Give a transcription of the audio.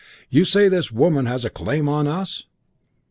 'You say this woman has a claim on us?'